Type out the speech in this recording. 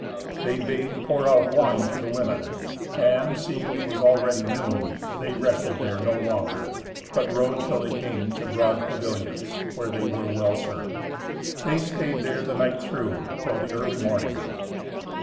They bade pour out wine for the women; and, seeing it was already noon, they rested there no longer, but rode till they came to broad pavilions, where they were well served. They stayed there the night through, till the early morning.